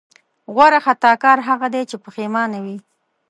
غوره خطاکار هغه دی چې پښېمانه وي.